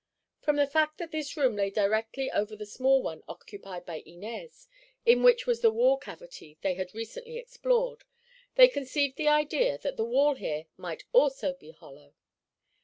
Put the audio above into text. From the fact that this room lay directly over the small one occupied by Inez, in which was the wall cavity they had recently explored, they conceived the idea that the wall here might also be hollow.